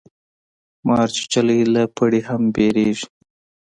مار چیچلی له پړي هم بېريږي.